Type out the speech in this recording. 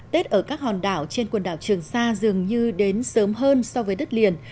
tết ở các hòn đảo trên quần đảo trường sa dường như đến sớm hơn so với đất liền